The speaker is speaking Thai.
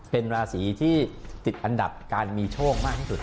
เป็นราศีที่ติดอันดับการมีโชคมากที่สุด